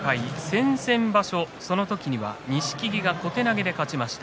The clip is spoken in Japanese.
先々場所の時には錦木が小手投げで勝ちました。